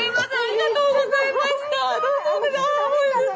ありがとうございます。